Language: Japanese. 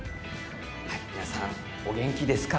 皆さん、お元気ですか？